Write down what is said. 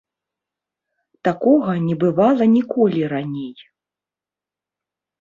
Такога не бывала ніколі раней.